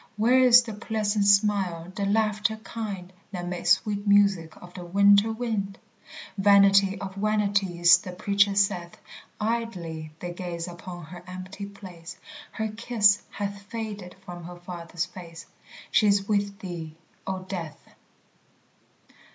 Where is the pleasant smile, the laughter kind, That made sweet music of the winter wind? Vanity of vanities the Preacher saith Idly they gaze upon her empty place, Her kiss hath faded from her Father's face She is with thee, O Death.